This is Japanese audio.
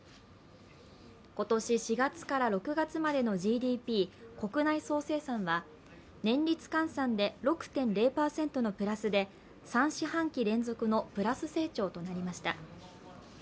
今年４月から６月までのＧＤＰ＝国内総生産は年率換算で６．０％のプラスで３四半期連続のプラス成長となりました。